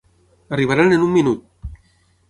Arribaran en un minut!